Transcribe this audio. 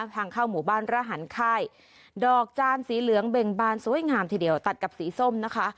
ทางเข้าหมู่บ้านระหันค่ายดอกจานสีเหลืองเบ่งบานสวยงามทีเดียวตัดกับสีส้มนะคะ